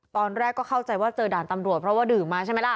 ตอนแรกก็เข้าใจว่าเจอด่านตำรวจเพราะว่าดื่มมาใช่ไหมล่ะ